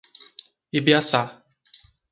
Ibiaçá